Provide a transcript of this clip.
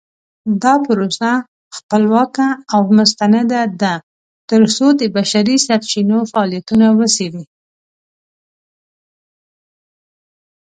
دا پروسه خپلواکه او مستنده ده ترڅو د بشري سرچینو فعالیتونه وڅیړي.